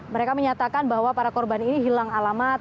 mereka menyatakan bahwa para korban ini hilang alamat